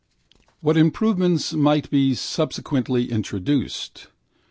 What improvements might be subsequently introduced?